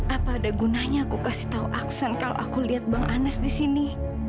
apa ada gunanya aku kasih tahu aksen kalau aku lihat bang anas di sini